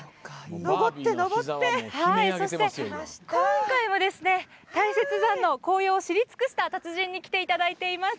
今回は大雪山の紅葉を知り尽くした達人に来ていただいています。